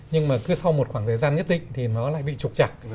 nhưng mà cứ sau một khoảng thời gian nhất định thì nó lại bị trục chặt